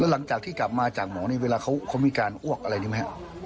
หลังจากที่กลับมาจากหมอนี่เวลาเขามีการอ้วกอะไรนี้ไหมครับ